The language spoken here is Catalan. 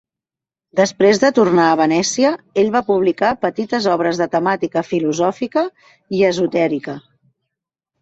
Després de tornar a Venècia, ell va publicar petites obres de temàtica filosòfica i esotèrica.